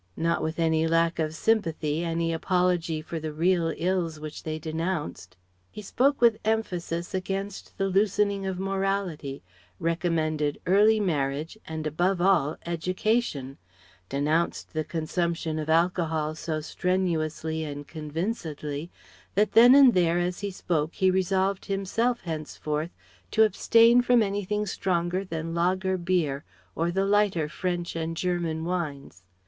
Not with any lack of sympathy, any apology for the real ills which they denounced. He spoke with emphasis against the loosening of morality, recommended early marriage, and above all education; denounced the consumption of alcohol so strenuously and convincedly that then and there as he spoke he resolved himself henceforth to abstain from anything stronger than lager beer or the lighter French and German wines.